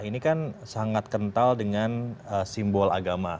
ini kan sangat kental dengan simbol agama